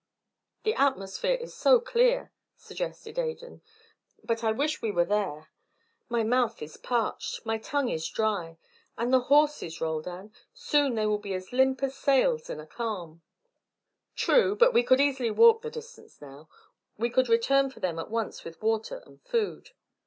"The atmosphere is so clear," suggested Adan. "But I wish we were there. My mouth is parched, my tongue is dry and the horses, Roldan. Soon they will be as limp as sails in a calm." "True, but we could easily walk the distance now. We could return for them at once with water and food."